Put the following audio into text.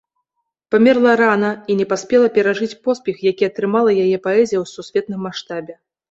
Памерла рана і не паспела перажыць поспех, які атрымала яе паэзія ў сусветным маштабе.